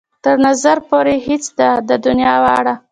تر نظر پورې يې هېڅ ده د دنيا واړه.